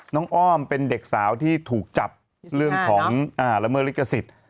อ้อมเป็นเด็กสาวที่ถูกจับเรื่องของละเมิดลิขสิทธิ์